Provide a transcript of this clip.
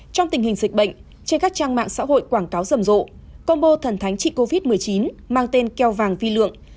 trong tình hình dịch bệnh trên các trang mạng xã hội quảng cáo rầm rộ combo thần thánh trị covid một mươi chín mang tên keo vàng vi lượng